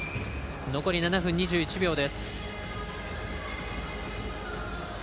残り７分２１秒。